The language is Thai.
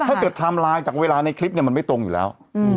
ถ้าเกิดหมายถึงเวลาในคลิปมันไม่ตรงอยู่แล้ว